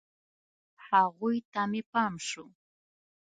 هغوی ته مې پام شو.